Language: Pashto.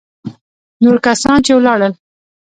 نور کسان چې ولاړل.